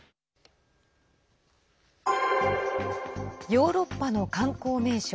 ヨーロッパの観光名所